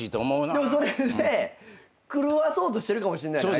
でもそれで狂わそうとしてるかもしんない相手はね。